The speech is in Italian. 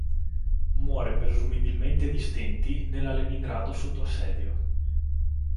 Muore presumibilmente di stenti nella Leningrado sotto assedio.